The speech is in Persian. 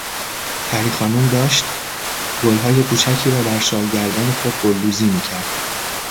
پری خانم داشت گلهای کوچکی را بر شال گردن خود گلدوزی میکرد.